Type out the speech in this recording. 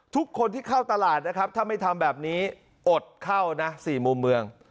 ทุกคนที่เข้าตลาดนะครับถ้าไม่ทำแบบนี้อดเข้านะ๔มุมเมือง